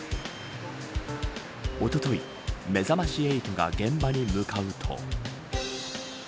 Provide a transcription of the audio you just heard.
おととい、めざまし８が現場に向かうと。